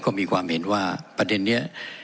ก็มีความเห็นว่าประเด็นนี้